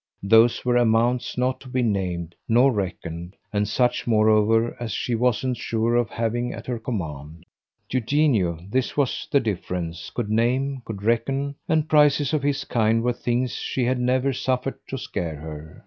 Those were amounts not to be named nor reckoned, and such moreover as she wasn't sure of having at her command. Eugenio this was the difference could name, could reckon, and prices of HIS kind were things she had never suffered to scare her.